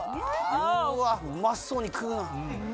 うわうまそうに食うな。